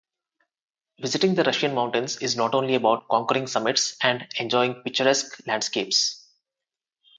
Visiting the Russian mountains is not only about conquering summits and enjoying picturesque landscapes.